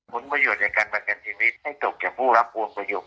ผลประโยชน์จากการประกันชีวิตให้จบแก่ผู้รับพวงประโยชน